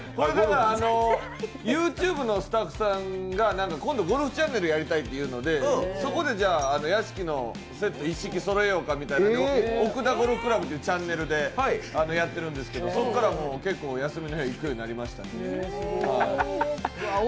ＹｏｕＴｕｂｅのスタッフさんが今度ゴルフチャンネルやりたいというのでそこで、じゃ屋敷のセット一式そろえようかと奥田ゴルフ倶楽部っていうチャンネルでやってるんですけどそこから結構休みの日は行くようになりましたね。